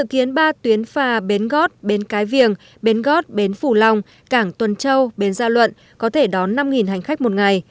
phà tuyến phà bến gót bến cái viềng bến gót bến phủ long cảng tuần châu bến gia luận có thể đón năm hành khách một ngày